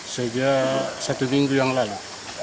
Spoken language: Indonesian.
sejak satu minggu yang lalu